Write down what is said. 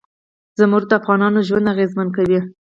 زمرد د افغانانو ژوند اغېزمن کوي.